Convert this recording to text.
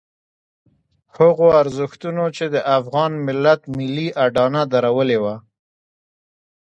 هغو ارزښتونو چې د افغان ملت ملي اډانه درولې وه.